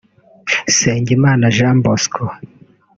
Nsengimana Jean Bosco